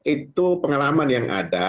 itu pengalaman yang ada